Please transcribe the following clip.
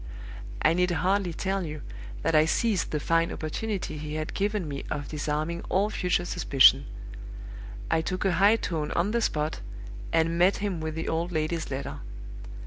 "I need hardly tell you that I seized the fine opportunity he had given me of disarming all future suspicion. I took a high tone on the spot, and met him with the old lady's letter.